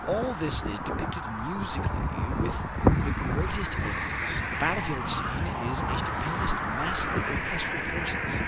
All this is depicted musically with the greatest eloquence. The battlefield scene is a stupendous massing of orchestral forces.